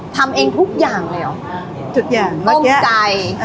ทำเองทุกอย่างเลยเหรอทุกอย่างต้มไก่อ่า